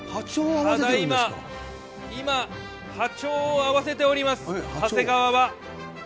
ただいま波長を合わせております、長谷川は。